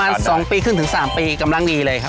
อายุประมาณ๒ปีครึ่งถึง๓ปีกำลังดีเลยครับ